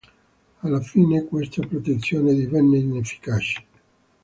Alla fine questa protezione divenne inefficace.